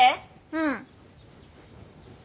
うん。